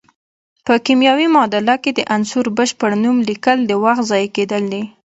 په کیمیاوي معادله کې د عنصر بشپړ نوم لیکل د وخت ضایع کیدل دي.